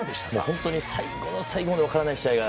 本当に最後の最後まで分からない試合が。